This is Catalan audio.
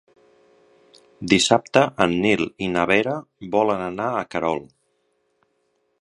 Dissabte en Nil i na Vera volen anar a Querol.